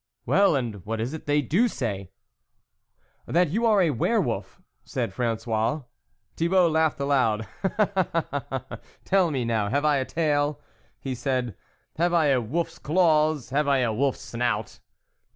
" Well, and what is it they do say ?" "That you are a were wolf," said Fran 9013. Thibault laughed aloud. "Tell me, now, have I a tail ?" he said, " have I a wolf's claws, have I a wolfs snout